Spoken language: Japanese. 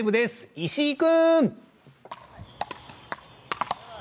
石井君。